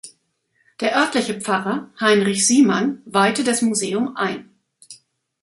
Der örtliche Pfarrer, Heinrich Siemann, weihte das Museum ein.